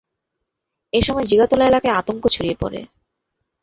এ সময় জিগাতলা এলাকায় আতঙ্ক ছড়িয়ে পড়ে।